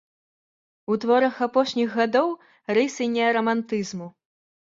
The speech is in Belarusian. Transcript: У творах апошніх гадоў рысы неарамантызму.